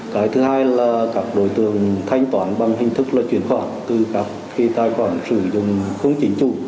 cái thứ hai là các đối tượng thanh toán bằng hình thức là chuyển khoản từ các tài khoản sử dụng không chính chủ